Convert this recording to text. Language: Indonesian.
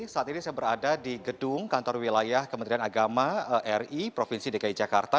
saat ini saya berada di gedung kantor wilayah kementerian agama ri provinsi dki jakarta